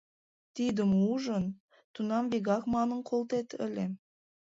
Тидым ужын, тунам вигак манын колтет ыле: